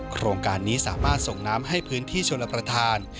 โครงการนี้สามารถส่งน้ำให้พื้นที่ชนรับประทาน